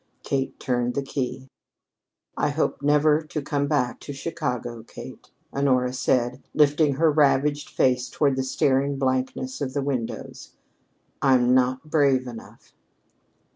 Kate turned the key. "I hope never to come back to Chicago, Kate," Honora said, lifting her ravaged face toward the staring blankness of the windows. "I'm not brave enough."